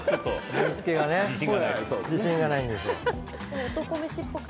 盛りつけ自信ないんですよ。